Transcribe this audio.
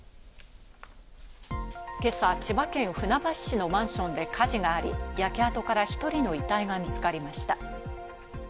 今朝、千葉県船橋市のマンションで火事があり、焼け跡から１人の遺体が見つかりました。